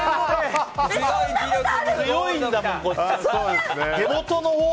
強いんだもん、こっちのほう。